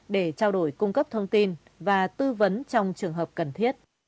để trao đổi cung cấp thông tin và tư vấn trong trường hợp cần thiết